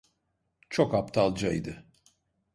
Çok aptalcaydı.